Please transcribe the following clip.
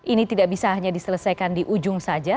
ini tidak bisa hanya diselesaikan di ujung saja